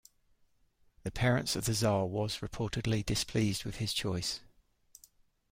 The parent's of the tsar was reportedly displeased with his choice.